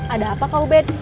ada apa kau ben